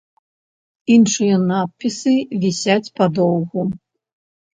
Іншыя надпісы вісяць падоўгу.